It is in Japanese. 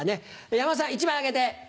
山田さん１枚あげて。